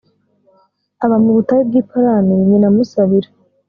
aba mu butayu bw i parani nyina amusabira